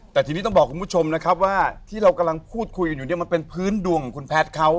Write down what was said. แต่ทีนี้ต้องบอกคุณผู้ชมนะครับว่าที่เรากำลังพูดคุยกันอยู่เนี่ยมันเป็นพื้นดวงของคุณแพทย์เขา